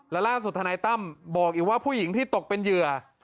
และล่าสุดธนายตั้มบอกอีกว่าผู้หญิงที่ตกเป็นเหยื่อ